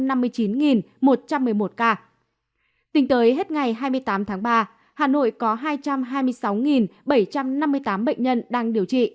tính tới hết ngày hai mươi tám tháng ba hà nội có hai trăm hai mươi sáu bảy trăm năm mươi tám bệnh nhân đang điều trị